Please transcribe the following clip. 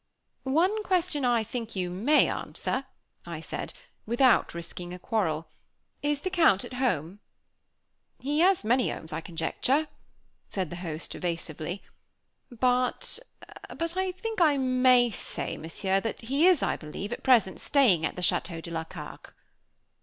"One question, I think you may answer," I said, "without risking a quarrel. Is the Count at home?" "He has many homes, I conjecture," said the host evasively. "But but I think I may say, Monsieur, that he is, I believe, at present staying at the Château de la Carque."